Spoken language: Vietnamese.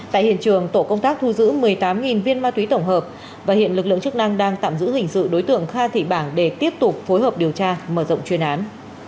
tại hiện trường tổ công tác thu giữ một mươi tám viên ma túy tổng hợp và hiện lực lượng chức năng đang tạm giữ hình sự đối tượng kha thị bảng để tiếp tục phối hợp điều tra mở rộng chuyên án